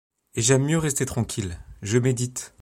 Et j'aime mieux rester tranquille. Je médite